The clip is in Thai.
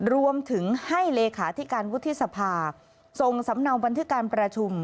รวมถึงให้เลขาธิการวุฒิสภาส่งสำเนาบันทึกการประชุม